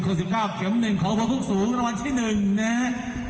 คุณไม่รู้บ้านไหนนะไม่รู้แต่บริษัทของพวกนี้แน่